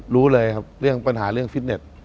รู้เลยครับเรื่องปัญหาเรื่องฟิตเน็ต